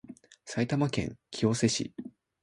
埼玉県清瀬市